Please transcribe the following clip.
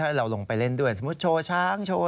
เขาต้องวาง